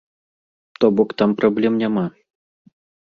То бок там праблем няма.